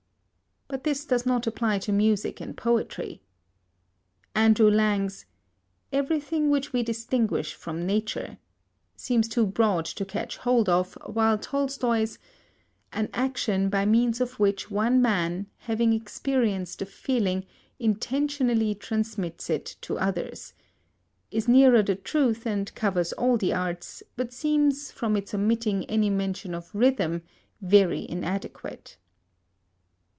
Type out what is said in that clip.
But this does not apply to music and poetry. Andrew Lang's "Everything which we distinguish from nature" seems too broad to catch hold of, while Tolstoy's "An action by means of which one man, having experienced a feeling, intentionally transmits it to others" is nearer the truth, and covers all the arts, but seems, from its omitting any mention of #rhythm#, very inadequate.